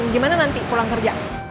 gimana nanti pulang kerja